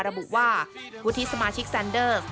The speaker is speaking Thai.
ระบุว่าวุฒิสมาชิกแซนเดอร์